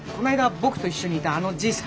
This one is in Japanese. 僕と一緒にいたあのじいさん。